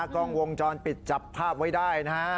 กล้องวงจรปิดจับภาพไว้ได้นะฮะ